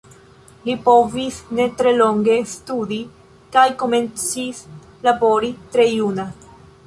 Li povis ne tre longe studi kaj komencis labori tre juna.